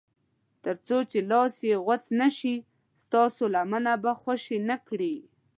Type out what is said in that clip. تر څو چې لاس یې غوڅ نه شي ستاسو لمنه به خوشي نه کړي.